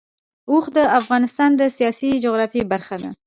اوښ د افغانستان د سیاسي جغرافیه برخه ده.